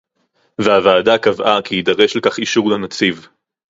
והוועדה קבעה כי יידרש לכך אישור הנציב